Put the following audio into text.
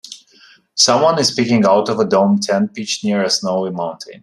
Someone is peaking out of a dome tent pitched near a snowy mountain.